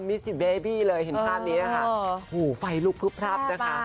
มิซิเบบี้เลยเห็นภาพนี้ค่ะหูไฟลุกพลึบพรับนะคะ